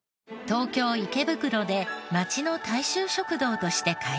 東京池袋で街の大衆食堂として開店。